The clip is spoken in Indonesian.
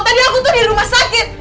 tadi aku tuh di rumah sakit